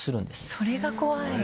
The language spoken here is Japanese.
それが怖い。